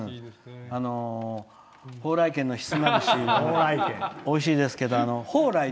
蓬莱軒のひつまぶしおいしいですよ。